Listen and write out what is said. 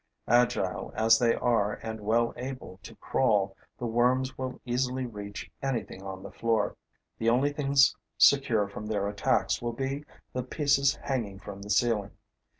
Agile as they are and well able to crawl, the worms will easily reach anything on the floor; the only things secure from their attacks will be the pieces hanging from the ceiling.